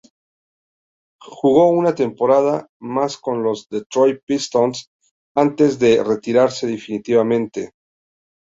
Jugó una temporada más con los Detroit Pistons antes de retirarse definitivamente.